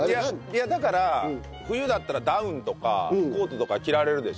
いやだから冬だったらダウンとかコートとか着られるでしょ？